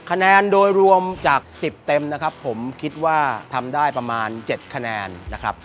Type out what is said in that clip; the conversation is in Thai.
คะแนนโดยรวมจาก๑๐เต็มนะครับผมคิดว่าทำได้ประมาณ๗คะแนนนะครับ